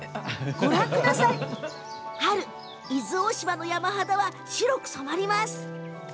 春、伊豆大島の山肌は白く染まります。